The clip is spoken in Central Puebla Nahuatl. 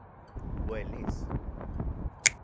¿Uelis...?